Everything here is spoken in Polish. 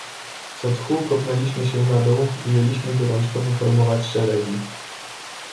"Co tchu kopnęliśmy się na dół i jęliśmy gorączkowo formować szeregi."